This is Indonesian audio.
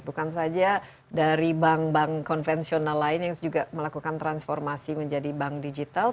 bukan saja dari bank bank konvensional lain yang juga melakukan transformasi menjadi bank digital